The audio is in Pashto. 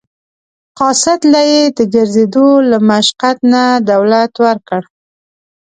قاصد له یې د ګرځېدو له مشقت نه دولت ورکړ.